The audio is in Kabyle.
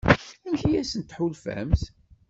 Amek i asen-tḥulfamt?